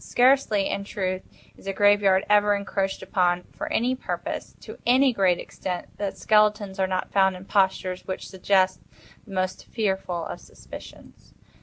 Scarcely, in truth, is a graveyard ever encroached upon, for any purpose, to any great extent, that skeletons are not found in postures which suggest the most fearful of suspicions.